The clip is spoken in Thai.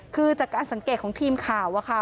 คือจากการสังเกตของทีมข่าวอะค่ะ